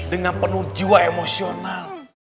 dengan penuh jiwa emosional